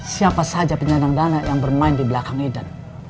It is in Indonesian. siapa saja penyandang dana yang bermain di belakang medan